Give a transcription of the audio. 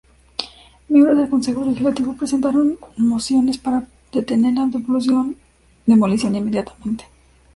Miembros del Consejo Legislativo presentaron mociones para detener la demolición inmediatamente.